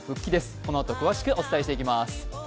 このあと詳しくお伝えしてまいります。